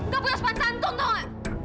gak punya sepanjangan tunggu